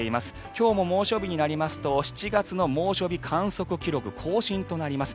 今日も猛暑日になりますと７月の猛暑日観測記録を更新となります。